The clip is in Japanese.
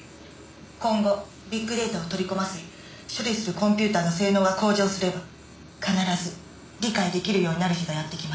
今後ビッグデータを取り込ませ処理するコンピューターの性能が向上すれば必ず理解出来るようになる日がやってきます。